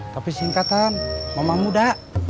tapi singkatan mama muda